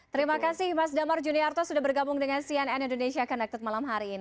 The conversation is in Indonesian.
terima kasih mas damar juniarto sudah bergabung dengan cnn indonesia connected malam hari ini